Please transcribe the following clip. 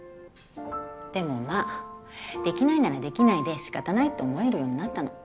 でもまあできないならできないで仕方ないって思えるようになったの。